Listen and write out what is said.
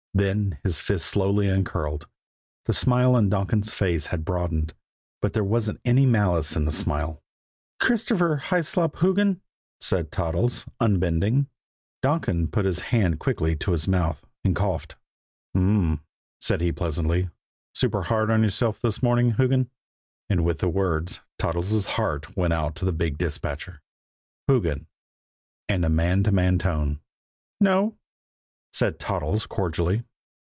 Then his fists slowly uncurled; the smile on Donkin's face had broadened, but there wasn't any malice in the smile. "Christopher Hyslop Hoogan," said Toddles, unbending. Donkin put his hand quickly to his mouth and coughed. "Um m!" said he pleasantly. "Super hard on you this morning Hoogan?" And with the words Toddles' heart went out to the big dispatcher: "Hoogan" and a man to man tone. "No," said Toddles cordially.